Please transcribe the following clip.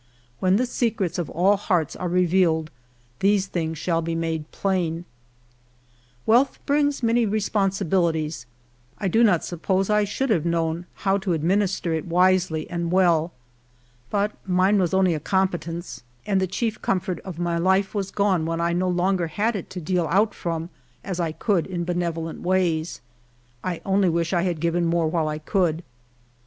When the secrets of all hearts are revealed these things shall be made plain. Wealth brings great responsibilities; I do not suppose I should have known how to administer it wisely and well. But mine was only a competence, and the chief comfort of my life was gone when 1 no longer had it to deal out from as I could in benevolent ways. T only wish I had given more while 1 could.